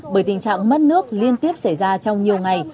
bởi tình trạng mất nước liên tiếp xảy ra trong nhiều ngày